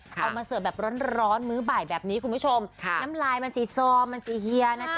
เอามาเสิร์ฟแบบร้อนมื้อบ่ายแบบนี้คุณผู้ชมน้ำลายมันสีซอมมันสีเฮียนะจ๊